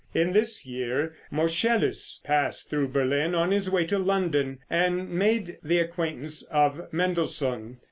In this year Moscheles passed through Berlin on his way to London, and made the acquaintance of Mendelssohn.